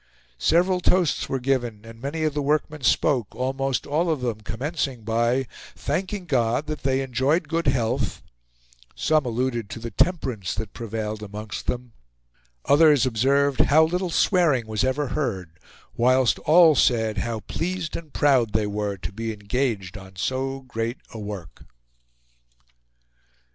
Several toasts were given and many of the workmen spoke, almost all of them commencing by 'Thanking God that they enjoyed good health;' some alluded to the temperance that prevailed amongst them, others observed how little swearing was ever heard, whilst all said how pleased and proud they were to be engaged on so great a work."